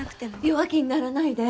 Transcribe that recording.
弱気にならないで。